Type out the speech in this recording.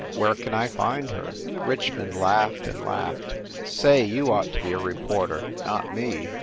Where can I find her?" Richmond laughed and laughed. "Say, you ought to be a reporter, not me